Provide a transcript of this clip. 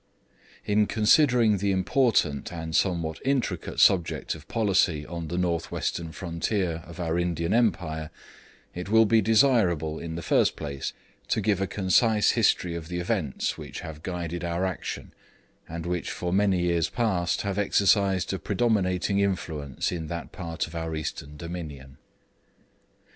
In considering the important and somewhat intricate subject of policy on the North Western frontier of our Indian Empire it will be desirable, in the first place, to give a concise history of the events which have guided our action, and which for many years past have exercised a predominating influence in that part of our Eastern dominion.